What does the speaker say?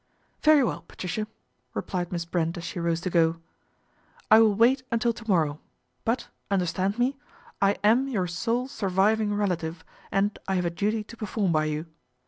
' Very well, Patricia," replied Miss Brent as she rose to go, " I will wait until to morrow ; but, understand me, I am your sole surviving relative and I have a duty to perform by you.